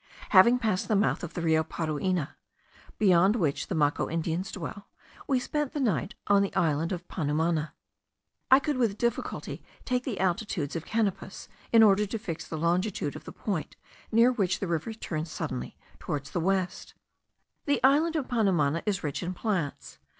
Having passed the mouth of the Rio Parueni, beyond which the Maco Indians dwell, we spent the night on the island of Panumana. I could with difficulty take the altitudes of Canopus, in order to fix the longitude of the point, near which the river suddenly turns towards the west. The island of Panumana is rich in plants.